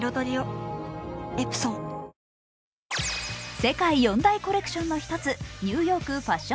世界４大コレクションの１つニューヨークファッション